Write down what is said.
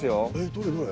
どれどれ？